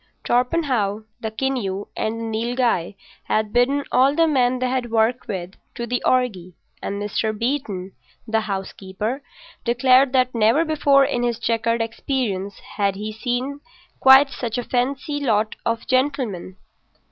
Torpenhow, the Keneu, and the Nilghai had bidden all the men they had worked with to the orgy; and Mr. Beeton, the housekeeper, declared that never before in his checkered experience had he seen quite such a fancy lot of gentlemen.